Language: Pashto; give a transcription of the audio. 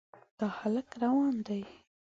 دا هلک روان دی.